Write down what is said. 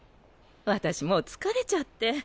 私もう疲れちゃって。